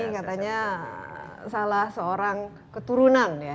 katanya salah seorang keturunan ya